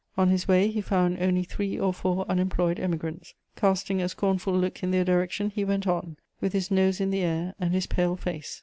On his way he found only three or four unemployed Emigrants: casting a scornful look in their direction, he went on, with his nose in the air, and his pale face.